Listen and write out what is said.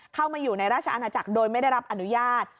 เข้ามาอยู่ในราชอาณาจักรโดยไม่ได้รับอนุญาต